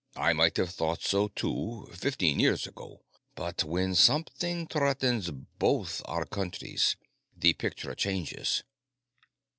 I might have thought so, too, fifteen years ago. But when something threatens both our countries, the picture changes.